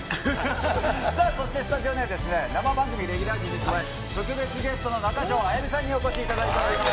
さあ、そしてスタジオには、生番組レギュラー陣に加え、特別ゲストの中条あやみさんにお越しいただいております。